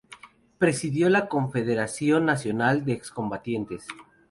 Presidió la Confederación Nacional de Excombatientes.